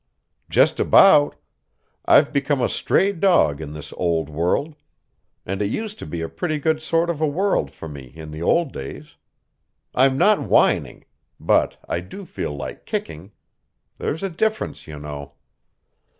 "Just about. I've become a stray dog in this old world. And it used to be a pretty good sort of a world for me in the old days. I'm not whining. But I do feel like kicking. There's a difference, you know."